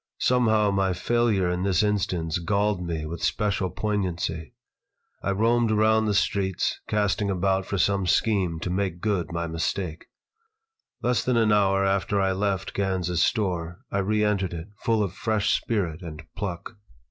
Somehow my failure in this instance galled me with special poignancy. I roamed around the streets, casting about for some scheme to make good my mistake Less than an hour after I left Gans's store I re entered it, full of fresh spirit and pluck.